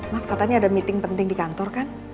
mas katanya ada meeting penting di kantor kan